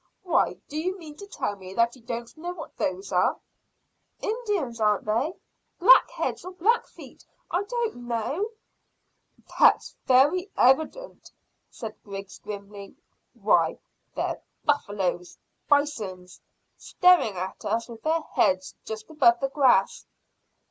Why, do you mean to tell me that you don't know what those are?" "Indians, aren't they? Blackheads or blackfeet I don't know." "That's very evident," said Griggs grimly. "Why, they're buffaloes bisons, staring at us with their heads just above the grass."